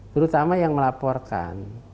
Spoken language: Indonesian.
terutama yang melaporkan